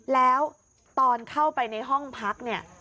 แล้วตอนเข้าไปในห้องพักเนี่ย